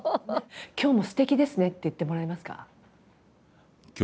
「今日もすてきですね」って言ってもらえますか？